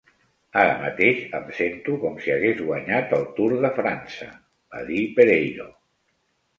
"Ara mateix em sento com si hagués guanyat el Tour de França", va dir Pereiro.